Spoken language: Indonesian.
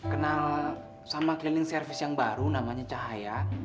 kenal sama keliling servis yang baru namanya cahaya